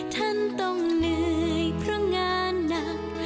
ท่านต้องเหนื่อยเพราะงานหนัก